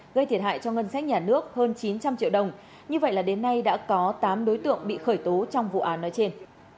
gây thiệt hại cho ngân sách nhà nước hơn chín trăm linh triệu đồng như vậy là đến nay đã có tám đối tượng bị khởi tố trong vụ án nói trên